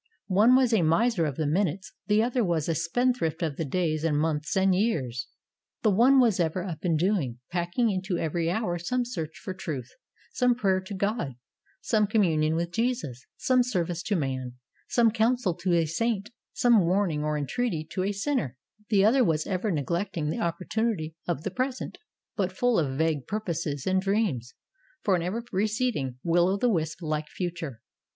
One was a miser of the minutes; the other was a spendthrift of the days and months and years. The one was ever up and doing, packing into every hour some search for truth, some prayer to God, some communion with Jesus, some service to man, some counsel to a saint, some warning or entreaty to a sinner; the other was ever neglecting the opportunity of the present, but full of vague purposes and dreams for an ever receding, will o' the wisp like future.